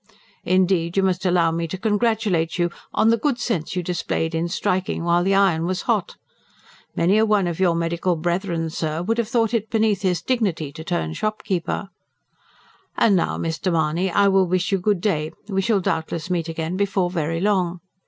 Indeed, you must allow me to congratulate you on the good sense you displayed in striking while the iron was hot. Many a one of your medical brethren, sir, would have thought it beneath his dignity to turn shopkeeper. And now, Mr. Mahony, I will wish you good day; we shall doubtless meet again before very long.